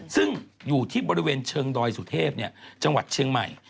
ซึ่งอยู่ที่บริเวณเชิงดอยสุเทพจังหวัดเชียงใหม่